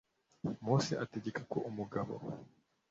mose ategeka ko umugabo